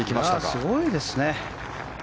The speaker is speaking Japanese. すごいですね。